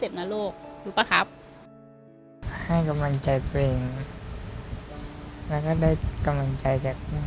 ก็ได้ประหลาดที่เป็นแม่คุณการการ